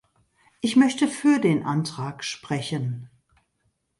Ich möchte für den Antrag sprechen.